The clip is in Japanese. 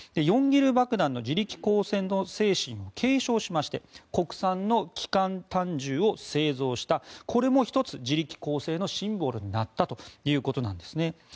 ヨンギル爆弾の自力更生の精神を継承しまして国産の機関短銃を製造したこれも１つ、自力更生のシンボルになったということなんですね。